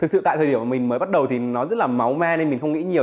thực sự tại thời điểm mình mới bắt đầu thì nó rất là máu mê nên mình không nghĩ nhiều